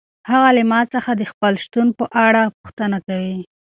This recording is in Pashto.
هغه له ما څخه د خپل شتون په اړه پوښتنه کوي.